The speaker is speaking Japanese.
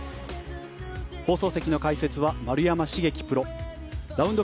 放送席の解説は丸山茂樹プロラウンド